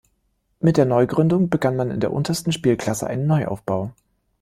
Mit der Neugründung begann man in der untersten Spielklasse einen Neuaufbau.